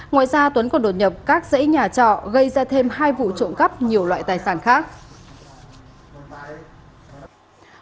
ngoài ra tuấn còn đột nhập các dãy nhà trọ gây ra thêm hai vụ trộm cắp nhiều loại tài sản khác